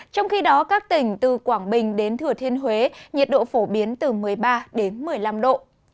trong khi đó các tỉnh từ quảng bình đến thừa thiên huế nhiệt độ phổ biến từ một mươi ba đến một mươi năm độ